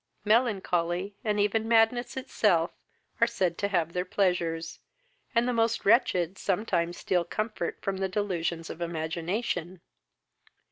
Melancholy, and even madness itself, are said to have their pleasures, and the most wretched sometimes steal comfort from the delusions of imagination.